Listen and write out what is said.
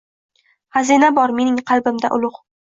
Xazina bor mening qalbimda ulug’